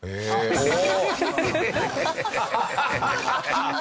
ハハハハ！